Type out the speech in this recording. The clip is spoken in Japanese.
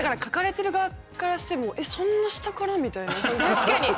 確かに。